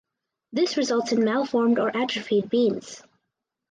This results in malformed or atrophied beans.